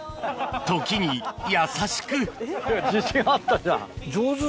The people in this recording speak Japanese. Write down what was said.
時に優しく自信あったじゃん。